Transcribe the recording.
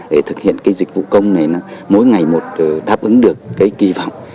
để thực hiện dịch vụ công này mỗi ngày một đáp ứng được kỳ vọng